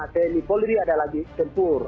tni polri ada lagi tempur